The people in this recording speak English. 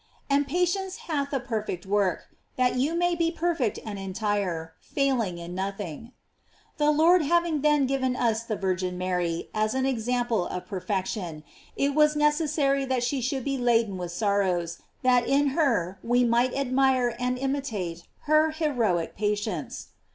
"And patience hath a perfect work, that you may be perfect and entire, failing in nothing."* The Lord having then given us the Virgin Mary as an example of perfection, it was necessary that she should be laden with sorrows, that in her we might admire and imitate her heroic patience.